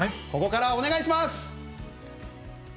ここから、お願いします。